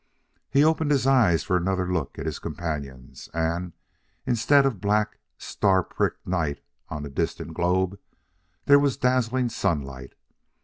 He opened his eyes for another look at his companions and, instead of black, star pricked night on a distant globe, there was dazzling sunlight.